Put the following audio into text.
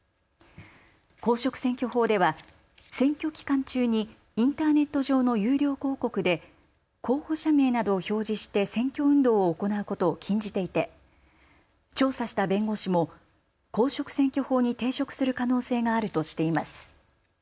公職選挙法では選挙期間中にインターネット上の有料広告で候補者名などを表示して選挙運動を行うことを禁じていて調査した弁護士も公職選挙法に抵触する可能性があるとしています。